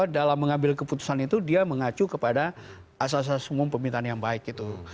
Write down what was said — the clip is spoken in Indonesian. dalam mengambil keputusan itu dia mengacu kepada asas asas umum pemerintahan yang baik itu